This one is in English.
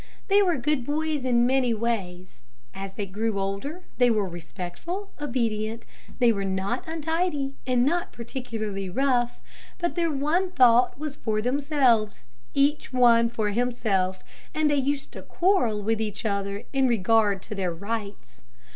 They were good boys in many ways. As they grew older, they were respectful, obedient, they were not untidy, and not particularly rough, but their one thought was for themselves each one for himself, and they used to quarrel with each other in regard to their rights.